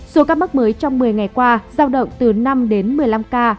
số ca mắc mới trong một mươi ngày qua giao động từ năm đến một mươi năm ca